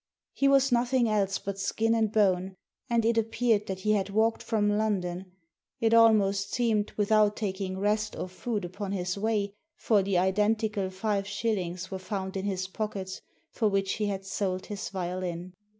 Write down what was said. He was noth ing else but skin and bone, and it appeared that he had walked from London — it almost seemed without taking rest or food upon his way, for the identical five shillings were found in his pockets for which he had sold his violin.